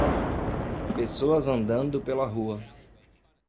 Pessoas andando pela rua.